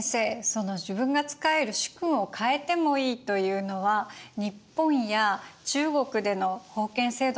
その自分が仕える主君を変えてもいいというのは日本や中国での封建制度とは全然違うんですね。